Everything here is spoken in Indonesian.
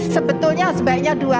sebetulnya sebaiknya dua